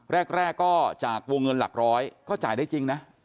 แรกก็จากวงเงินหลักร้อยก็จ่ายได้จริงนะ